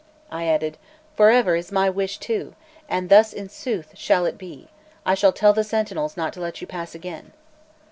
I added: "For ever, is my wish too; and thus in sooth shall it be. I shall tell the sentinels not to let you pass again!"